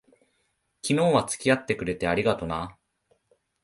昨日は付き合ってくれて、ありがとな。